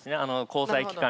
交際期間